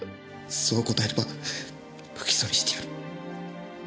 そう答えれば不起訴にしてやる。